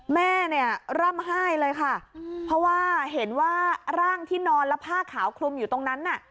แม่เนี่ยร่ำไห้เลยค่ะเพราะว่าเห็นว่าร่างที่นอนแล้วผ้าขาวคลุมอยู่ตรงนั้นน่ะ